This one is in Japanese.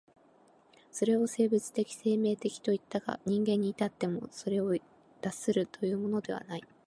それを生物的生命的といったが、人間に至ってもそれを脱するというのではない。